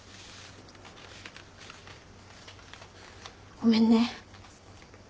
ごめんね。